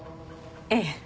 ええ。